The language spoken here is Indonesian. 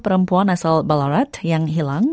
perempuan asal barat yang hilang